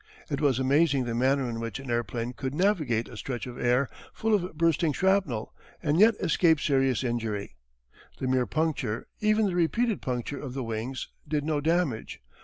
It was amazing the manner in which an airplane could navigate a stretch of air full of bursting shrapnel and yet escape serious injury. The mere puncture, even the repeated puncture, of the wings did no damage.